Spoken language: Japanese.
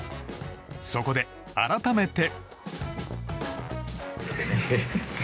そこで、改めて。